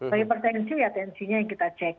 tapi pertengsi ya pertengsinya yang kita cek